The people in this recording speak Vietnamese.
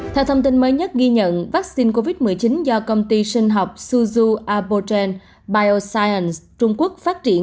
theo thông tin mới nhất ghi nhận vaccine covid một mươi chín do công ty sinh học suzu abogen biosiance trung quốc phát triển